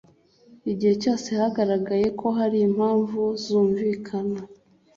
Igihe cyose hagaragaye ko hari impamvu zumvikana